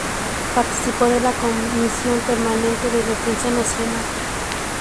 Participó de la comisión permanente de Defensa Nacional.